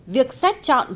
việc xét chọn vài nghệ sĩ